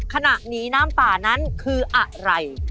หนีน้ำป่านั้นคืออะไร